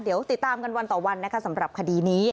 เดี๋ยวติดตามกันวันต่อวันนะคะสำหรับคดีนี้